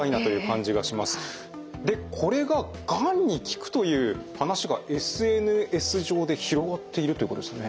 でこれががんに効くという話がＳＮＳ上で広がっているということですよね？